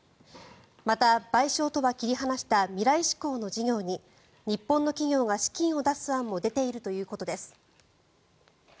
また、賠償とは切り離した未来志向の事業に日本の企業が資金を出す案も出ているということです。